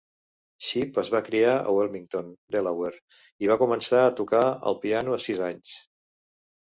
Shipp es va criar a Wilmington, Delaware, i va començar a tocar el piano a sis anys.